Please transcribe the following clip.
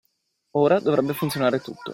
Ora dovrebbe funzionare tutto.